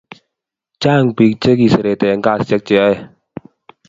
Chang pik che kiserete en kasishek che yoe